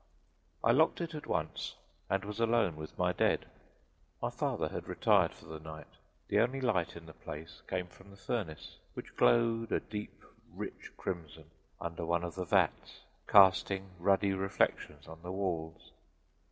I locked it at once and was alone with my dead. My father had retired for the night. The only light in the place came from the furnace, which glowed a deep, rich crimson under one of the vats, casting ruddy reflections on the walls.